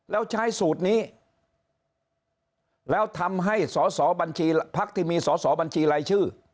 แล้วใช้สูตรนี้แล้วทำให้สอสอบัญชีพักที่มีสอสอบัญชีรายชื่อ